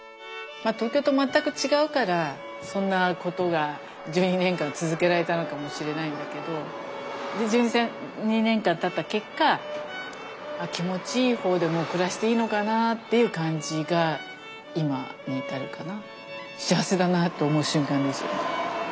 東京と全く違うからそんなことが１２年間続けられたのかもしれないんだけどで１２年間たった結果気持ちいい方でもう暮らしていいのかなっていう感じが今に至るかな。